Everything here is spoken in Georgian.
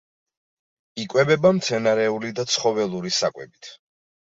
იკვებება მცენარეული და ცხოველური საკვებით.